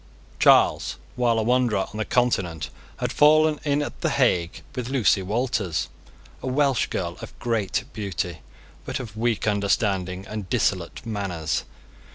Charles, while a wanderer on the Continent, had fallen in at the Hague with Lucy Walters, a Welsh girl of great beauty, but of weak understanding and dissolute manners.